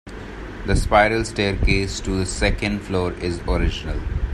The spiral staircase to the second floor is original.